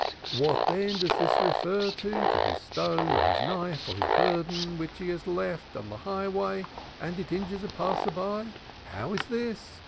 "What then does it refer to? To his stone or his knife or his burden which he has left on the highway and it injured a passer by. How is this?